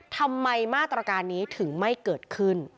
ทำไมมาตรการนี้ถึงไม่เกิดขึ้น